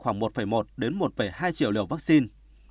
khoảng một một đến một hai triệu liều vaccine